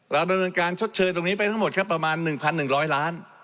เราดำเนินการชดเชยตรงนี้ไปทั้งหมดครับประมาณ๑๑๐๐ล้าน